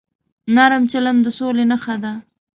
نرم چلند د سولې نښه ده.